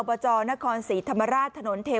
กลับบื้อไม่มีที่เอาเลย